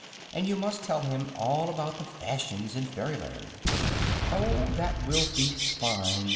and you must tell him all about the fashions in Fairyland." "Oh, that will be fine!"